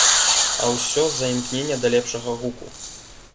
А ўсё з-за імкнення да лепшага гуку.